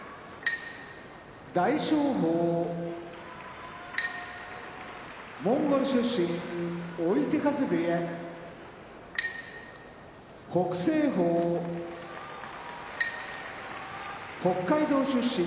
大翔鵬モンゴル出身追手風部屋北青鵬北海道出身